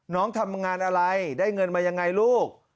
น้องทำงานอะไรได้เงินมายังไงลูก